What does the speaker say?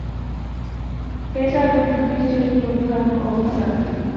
পেঁচা যোদ্ধাদের শেষ যোদ্ধার অবস্থানও জানা গিয়েছিল।